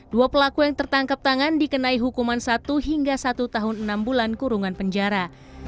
dua pelaku yang tertangkap tangan dikenai hukuman satu hingga satu tahun enam bulan kurungan penjara